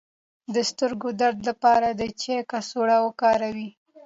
د سترګو درد لپاره د چای کڅوړه وکاروئ